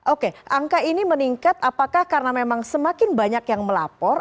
oke angka ini meningkat apakah karena memang semakin banyak yang melapor